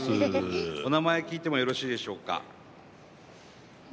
お名前、聞いてもよろしいでしょうか？